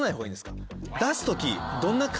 出す時。